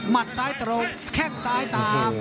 ซ้ายตรงแข้งซ้ายตาม